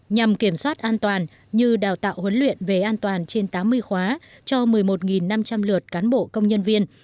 nhằm kiểm soát an toàn như đào tạo huấn luyện về an toàn trên tám mươi khóa cho một mươi một năm trăm linh lượt cán bộ công nhân viên